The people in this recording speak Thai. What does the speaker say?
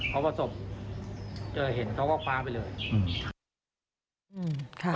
พอประสบเจอเห็นเขาก็คว้าไปเลย